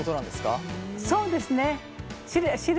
そうですね。